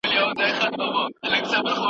څېړونکي د خپل بصیرت له مخې شننه کوي.